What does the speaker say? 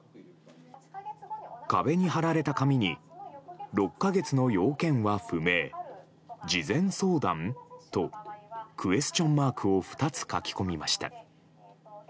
壁に張られた紙に、６か月の要件は不明、事前相談？？と、クエスチョンマークを２つ書き込みました。